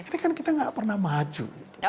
ini kan kita gak pernah maju gitu